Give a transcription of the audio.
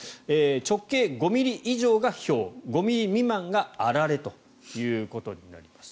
直径５ｍｍ以上がひょう５ｍｍ未満があられということになります。